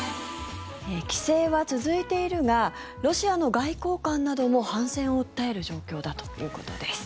規制は続いているがロシアの外交官なども反戦を訴える状況だということです。